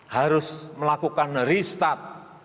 harus melakukan restart